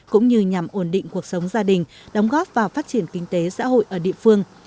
cũng như nhằm ổn định cuộc sống gia đình đóng góp vào phát triển kinh tế xã hội ở địa phương